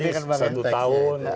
jadi satu tahun